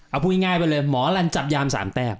เอาพูดง่ายไปเลยหมอลันจับยาม๓แต้ม